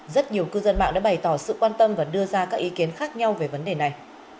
rất nhiều cư dân mạng đã bày tỏ sự quan tâm và đưa ra các ý kiến khác nhau về vấn đề này